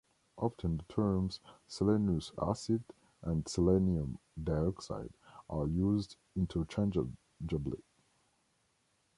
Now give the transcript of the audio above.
Often the terms "selenous acid" and "selenium dioxide" are used interchangeably.